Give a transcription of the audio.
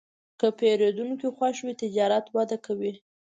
که پیرودونکی خوښ وي، تجارت وده کوي.